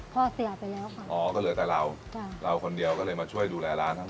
เสียไปแล้วค่ะอ๋อก็เหลือแต่เราจ้ะเราเราคนเดียวก็เลยมาช่วยดูแลร้านทั้ง